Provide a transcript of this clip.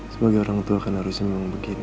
sebagai orang tua kan harusnya memang begini